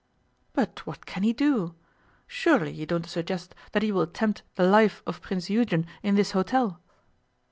'But what can he do? Surely you don't suggest that he will attempt the life of Prince Eugen in this hotel?